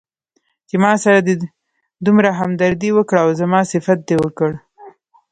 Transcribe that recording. چې ماسره دې دومره همدردي وکړه او زما صفت دې وکړ.